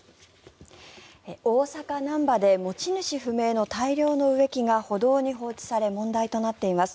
大阪・なんばで持ち主不明の大量の植木が歩道に放置され問題となっています。